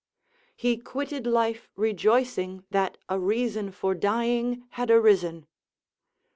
["He quitted life rejoicing that a reason for dying had arisen."